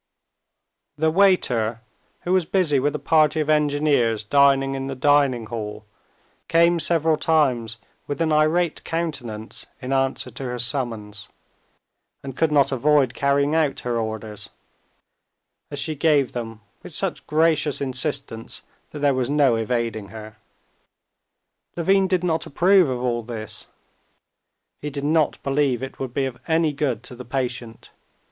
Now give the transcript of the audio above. The waiter, who was busy with a party of engineers dining in the dining hall, came several times with an irate countenance in answer to her summons, and could not avoid carrying out her orders, as she gave them with such gracious insistence that there was no evading her. Levin did not approve of all this; he did not believe it would be of any good to the patient.